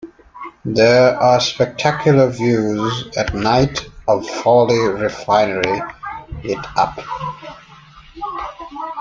There are spectacular views at night of Fawley Refinery lit up.